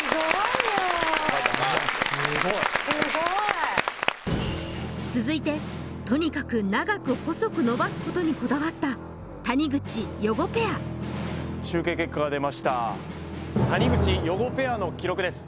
すごいよすごい続いてとにかく長く細くのばすことにこだわった谷口・余語ペア集計結果が出ました谷口・余語ペアの記録です